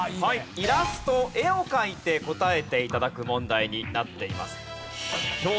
イラスト絵を描いて答えて頂く問題になっています。